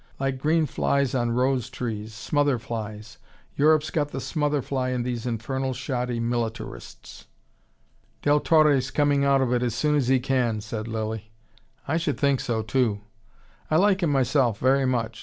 Like green flies on rose trees, smother flies. Europe's got the smother fly in these infernal shoddy militarists." "Del Torre's coming out of it as soon as he can," said Lilly. "I should think so, too." "I like him myself very much.